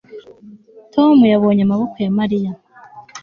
Tom yabonye amaboko ya Mariya